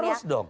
oh harus dong